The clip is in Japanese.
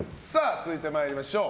続いて参りましょう。